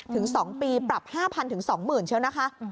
ถึง๒ปีปรับ๕๐๐๒๐๐เชียวนะคะ